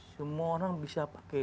semua orang bisa pakai